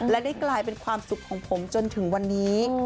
และได้กลายเป็นความสุขของผมจนถึงวันนี้